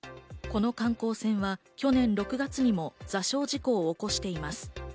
この観光船は去年６月にも座礁事故を起こしています。